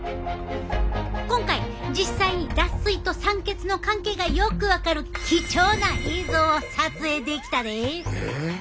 今回実際に脱水と酸欠の関係がよく分かる貴重な映像を撮影できたで。